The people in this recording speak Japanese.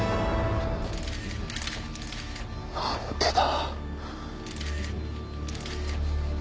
何でだ。